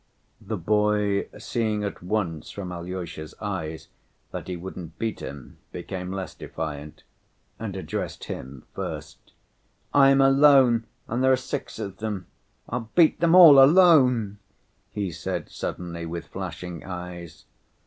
The boy, seeing at once from Alyosha's eyes that he wouldn't beat him, became less defiant, and addressed him first. "I am alone, and there are six of them. I'll beat them all, alone!" he said suddenly, with flashing eyes.